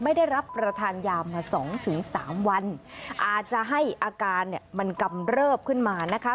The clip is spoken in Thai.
ไม่ได้รับประทานยามาสองถึงสามวันอาจจะให้อาการเนี่ยมันกำเริบขึ้นมานะคะ